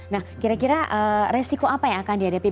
nah kira kira resiko apa yang akan dihadapi